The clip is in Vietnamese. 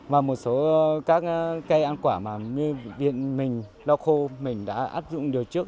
và một số các cây ăn quả mà viện mình lào khu mình đã áp dụng điều trước